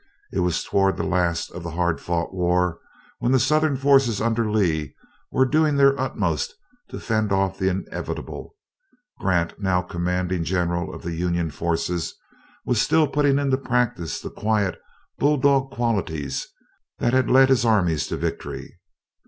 It was toward the last of the hard fought war, when the Southern forces under Lee were doing their utmost to fend off the inevitable. Grant, now the commanding General of the Union forces, was still putting into practise the quiet, bull dog qualities that had led his armies to victory.